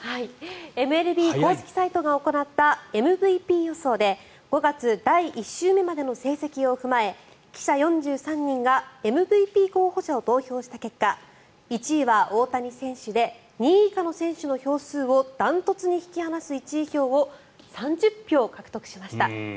ＭＬＢ公式サイトが行ったＭＶＰ予想で５月第１週目までの成績を踏まえ記者４３人がＭＶＰ候補者を投票した結果１位は大谷選手で２位以下の選手の票数を断トツに引き離す１位票を３０票獲得しました。